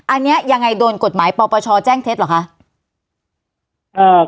อันนี้ยังไงโดนกฎหมายปปชแจ้งเท็จเหรอคะ